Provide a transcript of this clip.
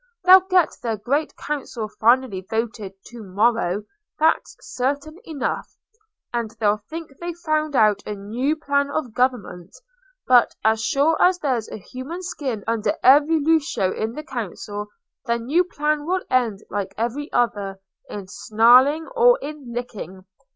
They'll get their Great Council finally voted to morrow—that's certain enough—and they'll think they've found out a new plan of government; but as sure as there's a human skin under every lucco in the Council, their new plan will end like every other, in snarling or in licking.